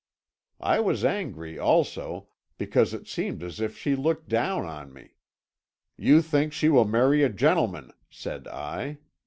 I was angry, also, because it seemed as if she looked down on me. 'You think she will marry a gentleman,' said I.